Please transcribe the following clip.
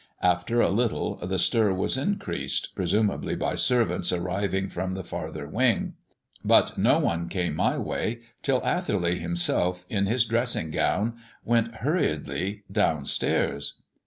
After a little the stir was increased, presumably by servants arriving from the farther wing; but no one came my way till Atherley himself, in his dressing gown, went hurriedly downstairs.